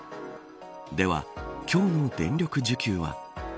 では、今日の電力需給は。